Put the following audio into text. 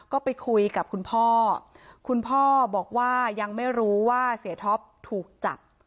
ก็ไปคุยกับคุณพ่อคุณพ่อบอกว่ายังไม่รู้ว่าเสียท็อปถูกจับ